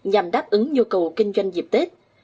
nhằm đáp ứng nhu cầu kinh doanh dịp tết